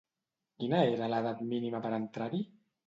Quina era l'edat mínima per entrar-hi?